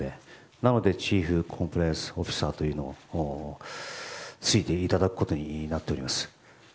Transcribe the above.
なので、チーフコンプライアンスオフィサーというものについていただくことになっています。